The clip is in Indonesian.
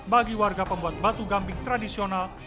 bagi warga pembuat batu gamping tradisional